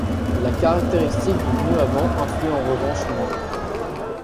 La caractéristiques du pneu avant influent en revanche moins.